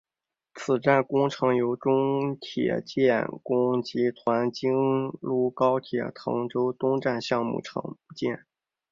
此站工程由中铁建工集团京沪高铁滕州东站项目部承建。